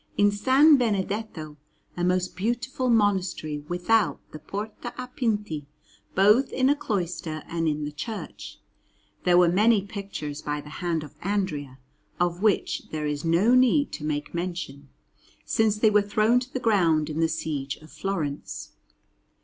In S. Benedetto, a most beautiful monastery without the Porta a Pinti, both in a cloister and in the church, there were many pictures by the hand of Andrea, of which there is no need to make mention, since they were thrown to the ground in the siege of Florence.